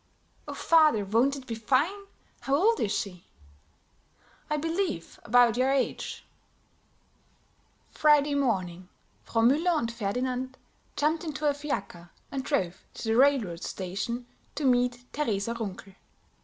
"Oh, father, won't it be fine! How old is she?" "I believe about your age." Friday morning Frau Müller and Ferdinand jumped into a fiaker and drove to the railroad station to meet Teresa Runkel.